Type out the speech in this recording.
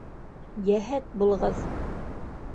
Йәһәт булығыҙ!